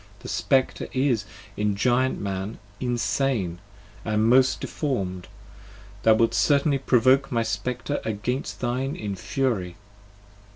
The Spectre is, in Giant Man, insane, and most deform'd. 5 Thou wilt certainly provoke my Spectre against thine in fury!